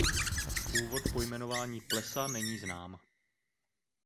Původ pojmenování plesa není znám.